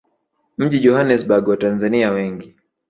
mjini Johannesburg Watanzania wengi